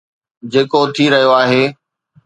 جيڪو ٿي رهيو آهي